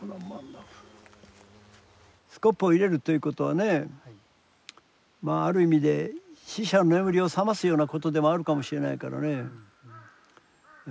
スコップを入れるということはねまあある意味で死者の眠りを覚ますようなことでもあるかもしれないからね。